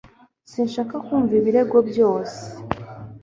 Sinshaka kumva ibirego byose